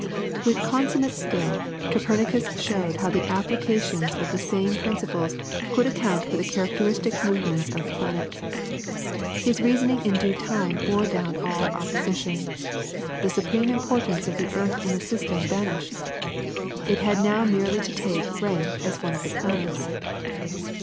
With consummate skill, Copernicus showed how the applications of the same principles could account for the characteristic movements of the planets. His reasoning in due time bore down all opposition. The supreme importance of the earth in the system vanished. It had now merely to take rank as one of the planets.